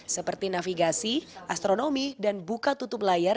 seperti navigasi astronomi dan buka tutup layar